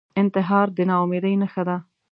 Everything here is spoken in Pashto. انتحار د ناامیدۍ نښه ده